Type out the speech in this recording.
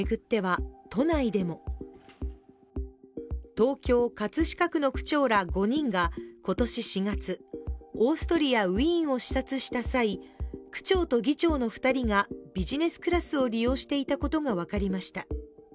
東京・葛飾区の区長ら５人が今年４月、オーストリア・ウィーンを視察した際、区長と議長の２人が、ビジネスクラスを利用していたことが分かりました。